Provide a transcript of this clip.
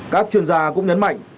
các chuyên gia cũng nhấn mạnh